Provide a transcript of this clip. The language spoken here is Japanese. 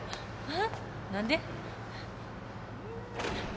何で？